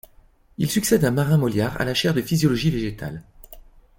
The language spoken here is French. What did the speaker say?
Il succède à Marin Molliard à la chaire de physiologie végétale.